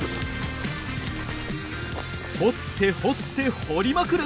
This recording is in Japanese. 掘って掘って掘りまくる。